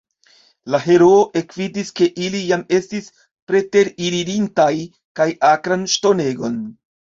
La heroo ekvidis, ke ili jam estis preteririntaj la akran ŝtonegon.